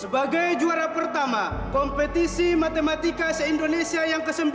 sebagai juara pertama kompetisi matematika se indonesia yang ke sembilan